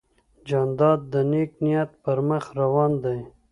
جانداد د نیک نیت پر مخ روان دی.